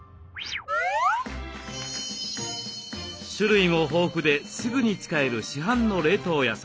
種類も豊富ですぐに使える市販の冷凍野菜。